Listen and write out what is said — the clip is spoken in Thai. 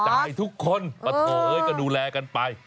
จ่ายทุกคนประเถยก็ดูแลกันไป